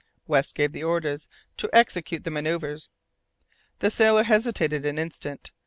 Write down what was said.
West gave orders to execute the manoeuvres. The sailors hesitated an instant.